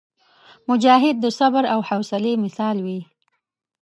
مجاهد د صبر او حوصلي مثال وي.